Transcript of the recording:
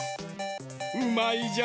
うまいじゃろ？